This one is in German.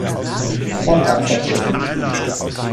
Landtag vertreten.